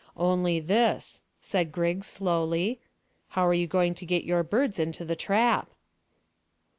"Only this," said Griggs slowly. "How are you going to get your birds into the trap?"